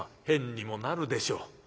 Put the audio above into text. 「変にもなるでしょ。